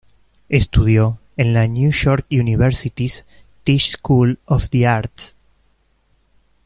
Estudió en la New York University’s Tisch School of the Arts.